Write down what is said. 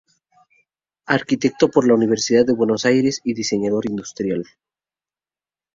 Arquitecto por la Universidad de Buenos Aires y diseñador industrial.